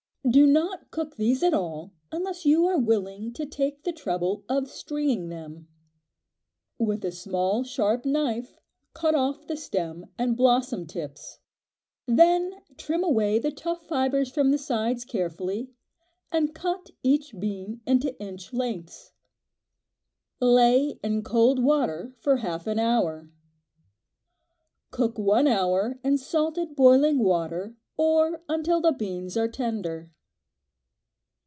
Do not cook these at all unless you are willing to take the trouble of "stringing" them. With a small sharp knife cut off the stem and blossom tips, then trim away the tough fibres from the sides carefully, and cut each bean into inch lengths. Lay in cold water for half an hour. Cook one hour in salted boiling water, or until the beans are tender.